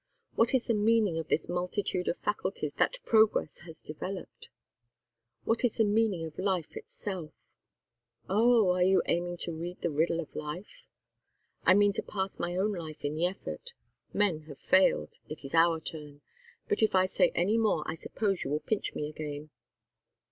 What is the meaning of this multitude of faculties that progress has developed? What is the meaning of life itself " "Oh, are you aiming to read the riddle of life?" "I mean to pass my own life in the effort. Men have failed. It is our turn. But if I say any more I suppose you will pinch me again."